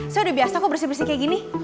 saya udah biasa kok bersih bersih kayak gini